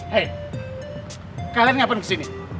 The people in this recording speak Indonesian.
hey kalian ngapain kesini